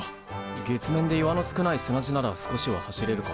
月面で岩の少ない砂地なら少しは走れるが。